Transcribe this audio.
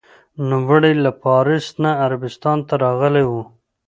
نوموړی له پارس نه عربستان ته راغلی و.